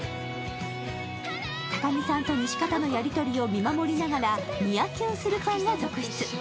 高木さんと西片のやりとりを見守りながらニヤキュンするファンが続出。